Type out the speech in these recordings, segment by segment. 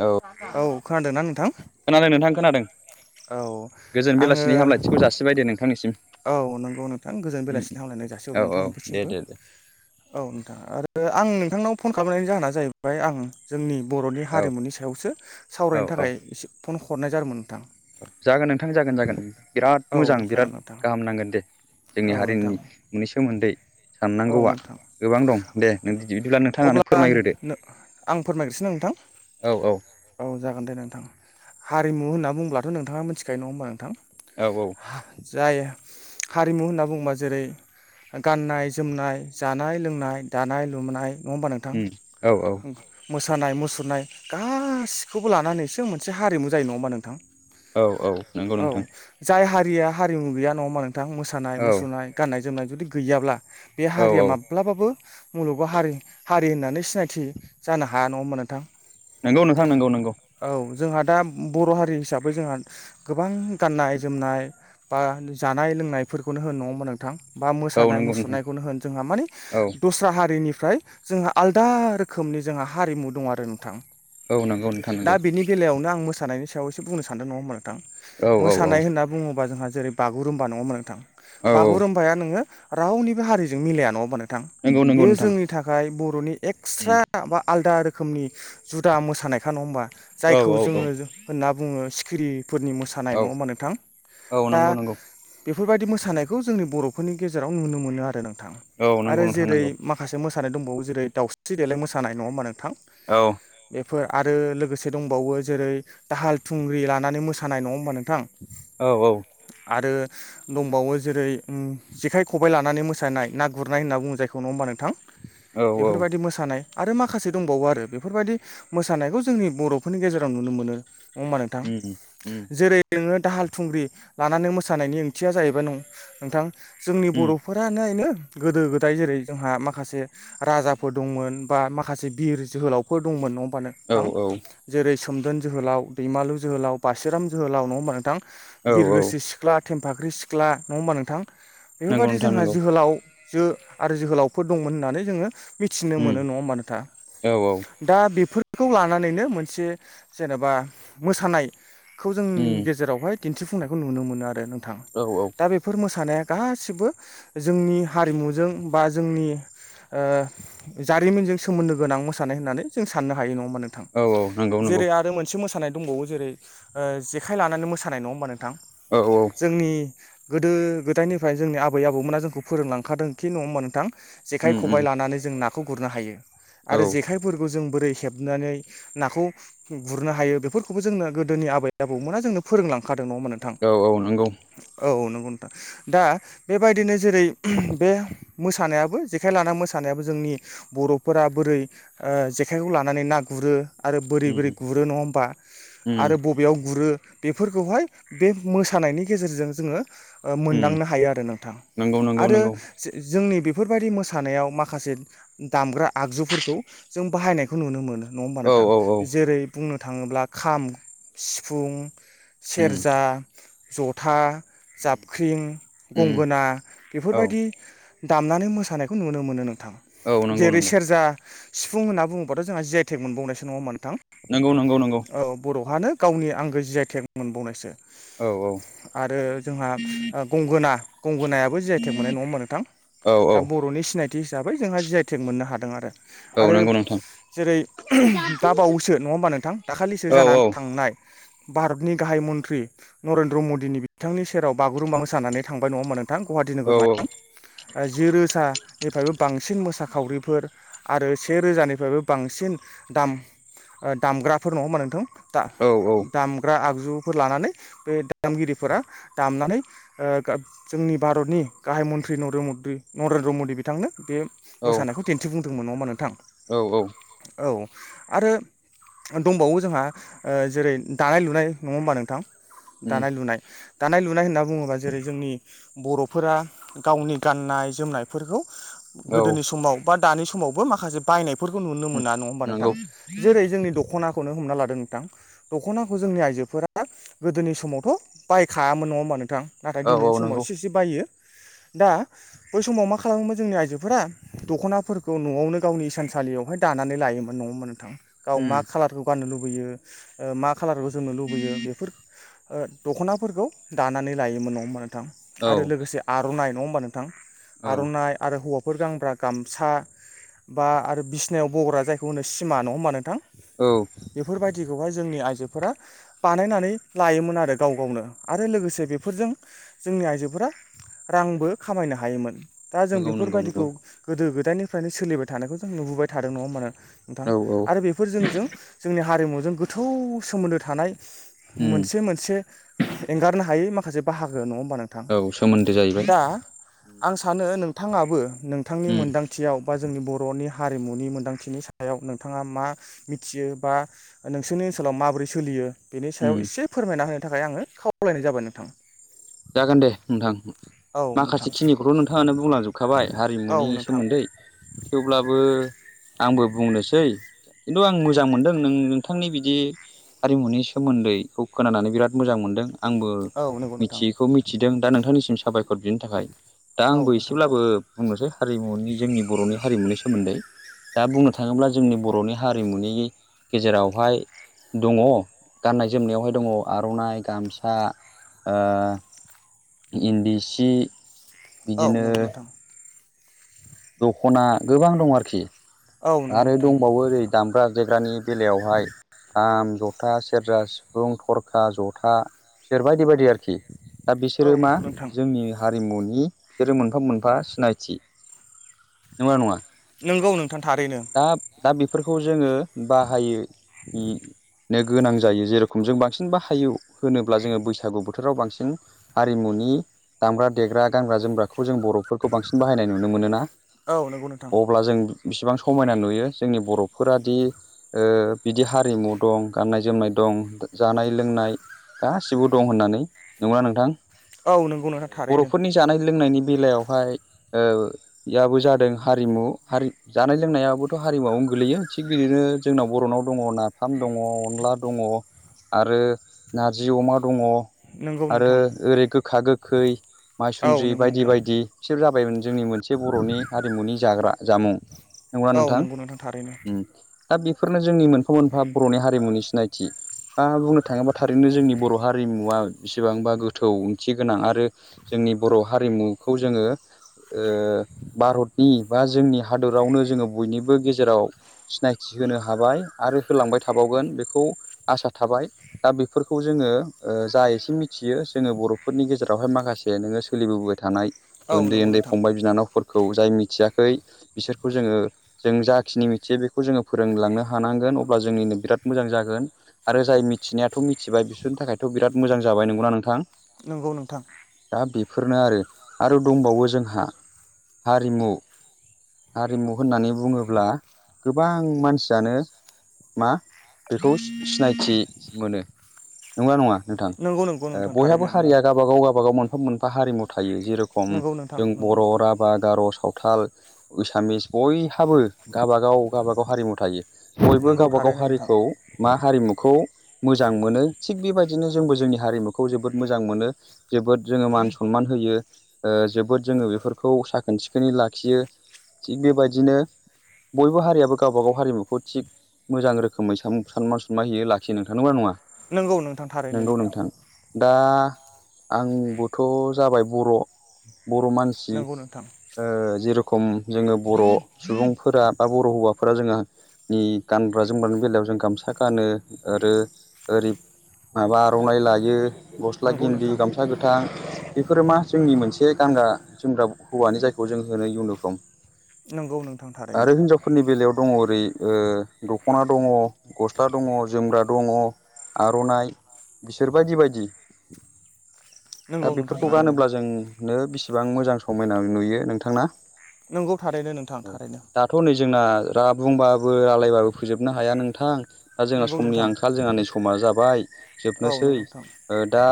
औ खोनादोंना नोंथां खोनादों नोंथां खोनादों। औ गोजोन आङो बेलासिनि हामलायथिखौ जासिबाय दे नोंथांनिसिम औ नंगौ नोंथां गोजोन उम बेलासिनि उम हामलायनाय जासिहरो औ औ नोंथां दे निसिमबो। दे दे औ नोंथां आरो आं नोंथांनाव फन खालामनायनि जाहोना जाहैबाय आं जोंनि बर'नि औ हारिमुनि सायावसो औ सावरायनो औ थाखाय इसे फन हरनाय जादोंमोन नोंथां। जागोन नोंथां जागोन जागोन, बिराद मोजां औ जागोन बिराद नोंथां गाहाम खामनांगोन दे औ जोंनि नोंथां हारिमुनि सोमोन्दै औ साननांगौआ नोंथां। गोबां दं दे बिदिब्ला नोंथाङानो अब्ला आं फोरमायग्रोदो ओ फोरमायग्रोसै नोंथां? औ औ औ जागोन दे नोंथां। हारिमु होनना बुंब्लाथ' नोंथाङा मिथिखायो नङा होमबा नोंथां? औ औ। जाय हारिमु होनना बुङोबा जेरै- गाननाय जो जोमनाय, जानाय-लोंनाय, दानाय-लुनाय नङा होमबा नोंथां। उम औ औ मोसानाय-मुसुरनाय गाखौबो लानानैसो मोनसे हारिमु जायो नङा होमा नोंथां? औ औ नंगौ नोंथां औ। जाय हारि हारिया हारिमु गैया नङा होमा नोंथां। औ मोसानाय-मुसुरनाय गाननाय-जोमनाय जुदि गैयाब्ला बे औ हारिया औ माब्लाबाबो मुलुगाव हारि हारि होननानै सिनायथि जानो हाया नङा होनबा नोंथां? नंगौ नोंथां नंगौ नंगौ। औ जोंहा दा बर' हारि हिसाबै जोंहा गोबां गाननाय-जोमनाय बा जानाय-लों लोंनायफोरखौनो होन नङा होमा नोंथां? बा औ नंगौ नोंथां मोसानाय-मुसुरनायखौनो होन जोंहा मानि औ दस्रा हारिनि फ्राय जोंहा आलादा रोखोमनि जोंहा हारिमु दं आरो नोंथां। औ नंगौ नोंथां दा नंगौ बिनि बेलायावनो आं मो मोसानायनि सायाव एसे बुंनो सान्दों नङा होनबा नोंथां। औ औ औ मोसानाय होनना बुङोबा जोंहा जेरै- बागुरुम्बा नङा होनबा नोंथां। औ औ बागुरुम्बाया नोङो रावनिबो हारिजों मिलाया नङा होनबा नोथां नंगौ नंगौ बेयो नोंथां जोंनि थाखाय बर' बर'नि उम एक्सट्रा बा आलदा रोखोमनि जुदा मोसानायखा नङा होमबा। औ जायखौ औ औ जोङो होनना बुङो सिखिरि फोरनि मोसानाय औ नङा होनबा नोंथां? औ दा नंगौ नंगौ बेफोरबायदि मोसानायखौ जोंनि बर'फोरनि गेजेराव नुनो मोनो आरो नोंथां औ नंगौ आरो नोंथां नंगौ जेरै- माखासे मोसानाय मोसानाय दंबावो जेरै दावस्रि देलाइ मोसिनाय नङा‌ होमबा नोंथां? औ। फोर आरो लोगोसे दंबावो। जेरै। दाहाल थुंग्रि लानानै मोसानाय नङा होमबा नोंथां? औ औ। आरो दंबावो जेरै जेखाइ खबबाय लानानै मोसानाय। मोसानाय ना गुरनाय होनना बुङो जायखौ नङा होमबा नोंथां? औ औ बेफोरबायदि मोसानाय आरो माखासे दंबावो आरो बेफोरबायदि मोसानायखौ जोंनि बर'फोरनि गेजेराव नुनो मोनो। होमबा नोंथां। उम उम जेरै नोङो दाहाल थुंग्रि लानानै मोसानायनि ओंथिया जाहैबाय नं-नोंथां जोंनि उम बर'फोरनि गोदो गोदाय जेरै- जोंहा माखासे राजाफोर दंमोन बा माखासे बिर जोहोलावफोर जोहोलावफोर दंमोन औ नोंथां। औ जेरै सोमदोन जोहोलाव, दैमालु जोहोलाव, बासिराम जोहोलाव नङा होमबा नोंथां? औ औ बिरगोसि सिख्ला थेमफाख्रि सिख्ला नङा होमबा नोंथां? नंगौ बेफोरबायदि नोंथां जोंहा नांगौ। जोहोलाव जो आरो जोहोलावफोर दंमोन होननानै जोङो मिथिनो उम मोनो नङा होनबा नोंथां? औ औ दा बेफोर बेखौ लानानैनो मोनसे जेनेबा मोसानायखौ उम जोंनि गेजेरावहाय दिन्थिफुंनायखौ नुनो मोनो आरो नोंथां। औ औ दा बेफोर मोसानाया गासिबो जोंनि हारिमुजों बा जोंनि जारिमिनजों सोमोन्दो गोनां मोसानाय होननानै जों साननो हायो नङा। नोंथां। औ औ नंगौ नंगौ जेरै आरो मोनसे मोसानाय दंबावो जेरै- जेखाइ लानानै मोसानाय नङा होमबा नोंथां औ औ जोंनि गोदो गोदायनिफ्राय जोंनि आबै आबौमोना जोंखौ फोरोंलांखादों खि नङा होमबा नोंथां? जेखाइ उम उम खबाइ लानानै जों नाखौ गुरनो हायो आरो औ जेखायफोरखौ बोरै हेबनानै नाखौ गुरनो हायो बेफोरखौबो जोंनो गोदोनि आबै आबौमोना जोंनो फोरोंलांखादों नङा होनबा नोंथां। औ औ नंगौ औ नंगौ नोंथां दा बेबायदिनो जेरै- बे मोसानायाबो जेखाइ लाना मोसानायाबो जोंनि बर'फोरा बोरै जेखाइखौ लानानै ना गुरो आरो बोरै उम बोरै गुरो नङा होमबा उम आरो बबेयाव गुरो बेफोरखौहाय बे मोसानायनि गेजेरजों जोङो उम मोनदांनो हायो आरो नोंथां नंगौ नंगौ आरो नंगौ जोंनि बेफोरबायाददि मोसानायाव माखासे दामग्रा आगजुफोरखौ जों बाहायनायखौ नुनो मोनो नङा होमबा औ नोंथां औ औ जेरै बुंनो थाङोब्ला खाम सिफुं उम सेरजा जथा जाबख्रिं उम गंगोना औ बेफोरबायदि दामनानै मोसानायखौ नुनो मोनो नोंथां औ नंगौ जेरै नंगौ सेरजा सिफुं होनना बुङोबाथ' जोंहा जिआइटेक मोनबावनायसो नङा होमबा नोंथां नंगौ नंगौ नंगौ औ बर' हानो गावनि आंगो जियायटेक मोनबावनायसो औ औ आरो जोंहा गंगोना गंगोनाया जि आइ टेक मोननाय नङा होमबा नोंथां औ औ दा बर'नि सिनायथि हिसाबै जोंहा जिआइटेक मोननो हादों आरो औ आरो नंगौ नोंथां जेरै दाबावैसो नङा होमबा नोंथां दाखालिसो औ जानानै औ थांनाय भारतनि गाहाय मन्त्रि नरेन्द्र मदिनि बिथांनि सेराव बागुरुम्बा होसानानै थांबाय नङा होमबा नोंथां गुवाहाटि औ नोगोरमायाव जि रोजा निफ्रायबो बांसिन मोसाखावरिफोर आरो से रोजानिफ्रायबो बांसिन दाम दामग्राफोर नङा होमबा नोंथां औ दामग्रा आगजु फोर लानानै बे दामगिरिफोरा दामनानै ओ जोंनि भारतनि गाहाय मन्त्रि नरेन्द्र मदि बिथांनो बे औ मोसानायखौ दिन्थिफुं दोंमोन नङा होनबा नोंथां औ औ औ आरो दंबावो जोंहा ओ जेरै दानाय लुनाय नङा होमबा नोंथां उम दानाय लुनाय दानाय लुनाय होनना बुङोबा जेरै जोंनि बर'फोरा गावनि गाननाय जोमनायफोरखौ औ गोदोनि उम समाव बा दानि समावबो माखासे बायनायफोरखौ नुनो मोना नङा होमबा नोंथां नंगौ जेरै जोंनि दख'नाखौनो हमना लादो नोंथां दख'नाखौ जोंनि आइजोफोरा गोदोनि समावथ' बायखायामोन नङा होमबा नोंथां नाथाय औ औ दिनैनि समाव नंगौ एसे इसे बायो दा बै समाव मा खालामोमोन जोंनि आइजोफोरा दख'नाफोरखौ न'आवनो गावनि इसानसालियावहाय दा नानै लायोमोन नङा होमबा नोंथां औ उम मा खालारखौ गाननो लुबैयो कालारखौ जोमनो लुबैयो बेफोर ओ दख'नाफोरखौ दानानै लायोमोन नङा होनबा नोंथां औ आरो लोगोसे आर'नाइ नङा हबा नोंथां औ आर'नाइ आरो हौवा फोर गानग्रा गामसा बा आरो बिसनायाव बग्रा जायखौ होनो सिमा नङा होमबा नोंथां औ बेफोरबायदि खौहाय जोंनि आइजोफोरा बानायनानै लायोमोन आरो गाव गावनो आरो लोगोसे बेफोरजों जोंनि आइजोफोरा रांबो खामायनो हायोमोन दा जों नंगौ नंगौ नंगौ बेफोरबायदिखौ गोदो गोदाय निफ्रायनो सोलिबाय थानायखौ जों नुबोबाय थादों नङा होमबा नोंथां औ औ आरो बेफोरजों जोंजों जोंनि हारिमुजों गोथौ सोमोन्दो थानाय उम मोनसे मोनसे एंगारनो हायै माखासे माखासे बाहागो नङा होमबा नोंथां औ सोमोन्दो जाहैबाय दा उम आं सानो नोंथाङाबो नोंथांनि उम मोनदांथियाव बा जोंनि बर'नि हारिमुनि मोन्दांथिनि सायाव नोंथाङा मा मिथियो बा नोंसोरनि ओनसोलाव माबोरै सोलियो बेनि सायाव एसे फोरमायना होनो थाखाय आङो खावलायनाय जाबाय नोंथां जागोन दे नोंथां औ माखासे नोंथां खिनिखौथ' नोंथाङानो बुंलांजोबखाबाय हारिमुनि औ नोंथां सोमोन्दै थेवब्लाबो आंबो बुंनोसै खिन्थु आं मोजां मोनदों नों नोंथांनि बिदि हारिमुनि सोमोन्दैखौ खोनानानै बिराद मोजां मोनदों आंबो औ नंगौ नोंथां मिथियैखौ मिथिदों दा नोंथांनिसिम साबायखर बिनि थाखाय दा औ आंबो नोंथां एसेब्लाबो बुंनोसै हारिमुनि जोंनि बर'नि हारिमुनि सोमोन्दै दा बुंनो थाङोब्ला जोंनि बर'नि हारिमुनि गेजेरावहाय दङ गाननाय जोमनायावहाय दङ आर'नाइ गामसा ओ इन्दि सि औ बिदिनो नंगौ नोंथां दख'ना गोबां दं आरोखि औ नंगौ आरो नोंथां दंबावो ओरै दामग्रा देग्रानि बेलायावहाय खाम जथा सेरजा सिफुं थरखा जथा बिसोर बायदि बायदि आरोखि दा औ नंगौ नोंथां औ बिसोरो मा नंगौ नोंथां जोंनि हारि हारिमुनि बिसोरो मोनफा मोनफा सिनायथि नंगौना नङा नोंगौ नोंथां थारैनो दा दा बेफोरखौ जोङो बाहायो नो गोनां जायो जेरेखम जों बांसिन ब हायु होनोब्ला जोङो बैसागु बोथोराव बांसिन हारिमुनि दामग्रा देग्रा गानग्रा जोमग्राखौ खौ जों बर'फोरखौ बांसिन बाहायनाय नुनो मोनो ना औ नंगौ नोंथां अब्ला जों बिसिबां समायना नुयो जोंनि बर'फोरादि बिदि हारिमु दं गाननाय जोमनाय दं जानाय लोंनाय गासिबो दं होननानै नंगौना नोंथां औ नंगौ नोंथां थारैनो बर'फोरनि जानाय लोंनायनि बेलायावहायाबो जादों हारिमु हारि जानाय लोंनायाबोथ' हारिमुवआवनो गोगलैयो थिग बिदिनो जोंनाव बर'नाव दङ नाफाम दङ अनला दङ आरो नारजि अमा दङ नंगौ आरो नोंथां ओरै गोखा गोखै औ माइसुन्द्रि नंगौ बायदि नोंथां बायदि बिसोर जाबायमोन जोंनि मोनसे बर'नि हारिमुनि जाग्रा जामुं नंगौना औ नोंथां नंगौ थारैनो दा बेफोरनो जोंनि मोनफा मोनफा बर'नि हारिमुनि सिनायथि बुंनो थाङोबा थारैनो जोंनि बर' हारिमुवा बेसेबांबा गोथौ ओंथि गोनां आरो जों जोंनि बर' हारिमुखौ जोङो भारतनि बा जोंनि हादरनि हादोरावनो जोङो बयनिबो गेजेराव सिनायथि होनो हाबाय आरो होलांबाय थाबावगोन बेखौ आसा थाबाय दा बेफोरखौ जोङो जा एसे मिथियो जोङो बर'फोरनि गेजेरावहाय माखासे माखासे नोङो सोलिबोबाय थानाय औ उन्दै नंगौ उन्दै नोंथां फंबाय बिनानावफोरखौ जाय मिथियाखै बिसोरखौ जोङो जों जाखिनि मिथियो बेखौ जोङो फोरोंलांनो हानांगोन अब्ला जोंनिनो बिराद मोजां जागोन आरो जाय मिथिनायाथ' मिथिबाय बिसोरनि थाखायथ' बिराद मोजां जाबाय नंगौना नोंथां नंगौ नोंथां बे फोरनो आरो आरो दंबावो जोंहा हारिमु हारिमु होननानै बुङोब्ला गोबां मानसियानो मा बेखौ सिनायथि मोनो नंगौना नङा नंगौ नंगौ नोंथां बयहाबो थारैनो नंगौ हारिया गावाबागाव गावाबागाव मोन मोनफा मोनफा हारिमु थायो जेरखम नंगौ नोंथां जों नंगौ बर' नोंथां राभा गार' सावथाल एसामिस बयहाबो गावबा गाव गावबा गाव हारिमु थायो बयबो नंगौ गावबा गाव थारैनो नोंथां हारिखौ मा हारिमुखौ मोजां मोनो थिग बेबायदिनो जोंबो जोंनि हारिमुखौ जोबोद मोजां मोनो जोबोद जोङो मान सनमान हो जोबोद जोङो बेफोरखौ साखोन सिखोनै लाखियो थिग बेबायदिनो बयबो हारियाबो गावबागाव हारिमुखौ थिग मोजां रोखोमै सानमा सनमा होयो लाखियो नोंथां नंगौना नङा नंगौ नोंथां थारैनो नोंथां दा आंबोथ' जाबाय बर' बर' मानसि नंगौ नोंथां जेरखम जोङो बर' सुबुंफोरा बा बर' हौवाफोरा जोङो नि गानग्रा जोमग्रानि बेलायाव जों गामसा गानो आरो ओरै माबा आर'नाइ लायो गस्ला नंगौ गिन्दि नोंथां गामसा गोथां बेफोरो मा जोंनि मोनसे गानग्रा जोमग्रा हौवानि जायखौ जों होनो इउनिफर्म नंगौ नोंथां थारैनो आरो हिनजावफोरनि बेलायाव दङ ओरै। ओरै दख'ना दङ गस्ला दङ जोम्रा दङ आर'नाइ बिसोर बायदि बायदि [inaudible] दा नोंथां बेफोरखौ थारैनो गानोब्ला जोंनो बेसिबां मोजां समायना नुयो नोंथांना। नंगौ थारैनो नोंथां औ थारैनो दाथ' नै जोंना रा बुंबाबो आलायबाबो फोजोबनो हाया नोंथां। दा जोंहा नंगौ समनि नोंथां आंखाल जोंहा नै समा जाबाय औ जोबनोसै नंगौ नोंथां ओ दा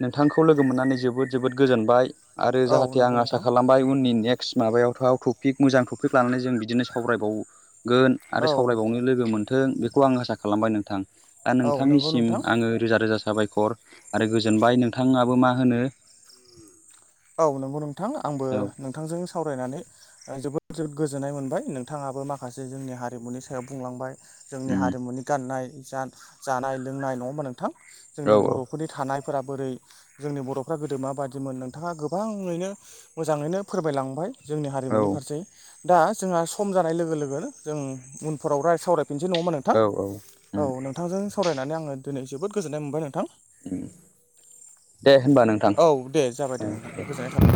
नोंथांखौ लोगो मोननानै जोबोद जोबोद गोजोनबाय । आरो औ जाहाथे आं नंगौ आसा नोंथां खालामबाय उननि नेक माबायावथ' टपिक मोजां टपिक लानानै जों बिदिनो सावरायबावो गोन आरो औ सावरायबावनो लोगो मोन्थों बेखौ आं आसा खालामबाय नोंथां। दा औ नंगौ नोंथांनिसिम नोंथां आङो रोजा रोजा साबायखर आरो गोजोनबाय नोंथाङाबो मा होनो? औ नंगौ नोंथां आंबो औ नोंथांजों सो सावरायनानै जोबोद जोबोद गोजोननाय मोनबाय नोंथाङाबो माखासे जोंनि हारिमुनि सायाव बुंलांबाय। जोंनि हारिमुनि गाननाय जा जानाय-लोंनाय नङाओबा नोंथां औ जोंनि बर'फोरनि थानायफोरा बोरै जोंनि बर'फ्रा गोदो माबायदिमोन नों थाङा गोबाङैनो मोजाङैनो फोरमायलांबाय जोंनि औ हारिमुनि फारसे दा जोंहा सम जानाय लोगो लोगो जों उनफोराव रा सावराय फिननोसै नङामा नोंथां औ औ औ नोंथांजों सावरायनानै आङो दिनै जोबोद गोजोननाय मोनबाय नोंथां। दे होनबा नोंथां द । औ दे जाबाय दे नोंथां गोजोननाय थाबाय